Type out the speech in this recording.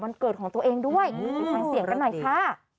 เกิดของตัวเองด้วยไปฟังเสียงกันหน่อยค่ะ